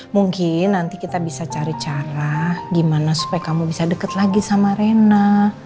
mungkin nanti kita bisa cari cara gimana supaya kamu bisa deket lagi sama rena